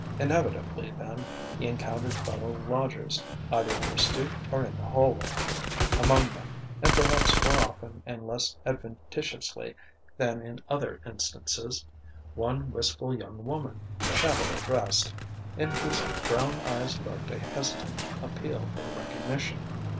Inevitably, then, he encountered fellow lodgers, either on the stoop or in the hallway; among them, and perhaps more often and less adventitiously than in other instances, one wistful young woman, shabbily dressed, in whose brown eyes lurked a hesitant appeal for recognition.